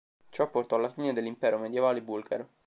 Ciò porto alla fine dell'impero medievale bulgaro.